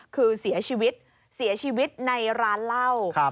คือเสียชีวิตในร้านเหล้า